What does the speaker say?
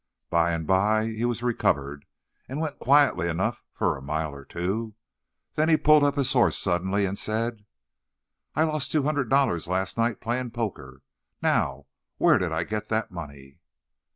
By and by he was recovered, and went quietly enough for a mile or two. Then he pulled up his horse suddenly, and said: "I lost two hundred dollars last night, playing poker. Now, where did I get that money?"